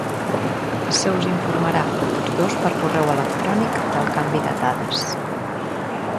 Se us informarà a tots dos per correu electrònic del canvi de dades.